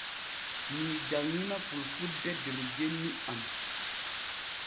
Mii janŋina fulfulde der genni am.